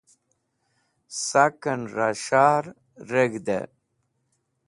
Saken Ra S̃hahr reg̃hde